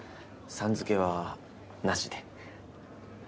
「さん」付けはなしで。